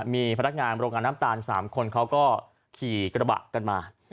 มีพนักงานโรงงานน้ำตาล๓คนเขาก็ขี่กระบะกันมา